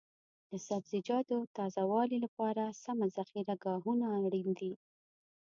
د سبزیجاتو تازه والي لپاره سمه ذخیره ګاهونه اړین دي.